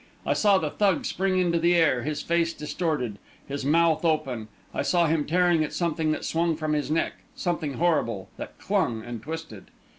I saw the Thug spring into the air, his face distorted, his mouth open I saw him tearing at something that swung from his neck something horrible, that clung and twisted....